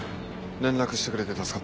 連絡してくれて助かった。